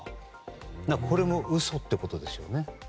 これも嘘ってことですよね。